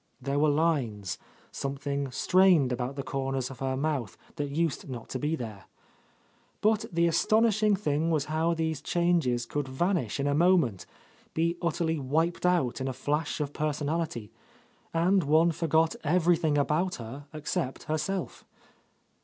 There were lines, — something strained about the corners of her mouth that used not to be there. But the astonishing thing was how these changes could vanish in a moment, be utterly wiped out in a flash of personality, and one forgot every thing about her except herself.